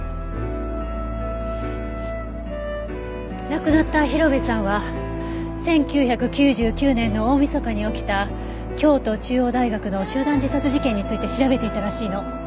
亡くなった広辺さんは１９９９年の大みそかに起きた京都中央大学の集団自殺事件について調べていたらしいの。